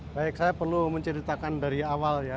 baik saya perlu menceritakan dari awal ya